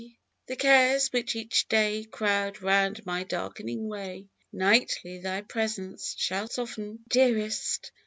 ...! the cares which each day Crowd round my darkening way. Nightly thy presence shall soften ! Dearest